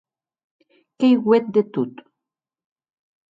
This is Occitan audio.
Qu’ei uet de tot.